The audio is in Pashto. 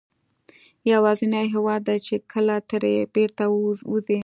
یوازینی هېواد دی چې کله ترې بېرته وځې.